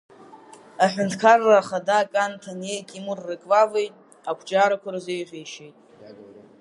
Аҳәынҭқарра ахада Кан Ҭаниеи Тимур Реквавеи ақәҿиарақәа рзеиӷьеишьеит.